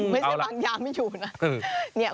ไม่ใช่วางยาไม่อยู่นะ